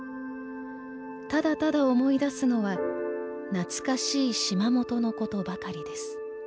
ただただ思い出すのは懐かしい島元のことばかりです」。